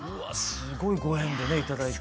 すごいご縁でね頂いて。